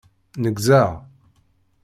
Neggzeɣ.